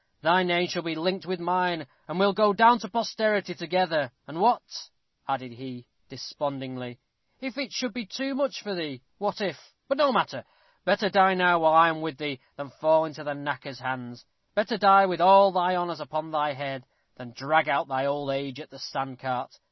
thy name shall be linked with mine, and we'll go down to posterity together; and what," added he, despondingly, "if it should be too much for thee? what if but no matter! Better die now, while I am with thee, than fall into the knacker's hands. Better die with all thy honors upon thy head, than drag out thy old age at the sand cart.